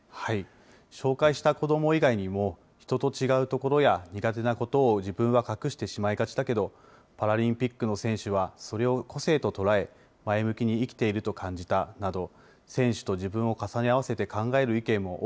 紹介した子ども以外にも人と違うところや苦手なところを自分は隠してしまいがちだけど、パラリンピックの選手はそれを個性と捉え、前向きに生きていると感じたなど、選手と自分を重ね合わせ